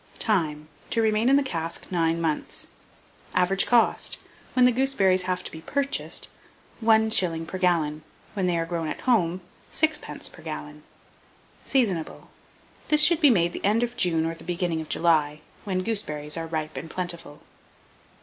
Time. To remain in the cask 9 months. Average cost, when the gooseberries have to be purchased, 1s. per gallon; when they are grown at home, 6d. per gallon. Seasonable. This should be made the end of June or the beginning of July, when gooseberries are ripe and plentiful.